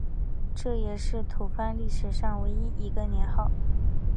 这也是吐蕃历史上唯一一个年号。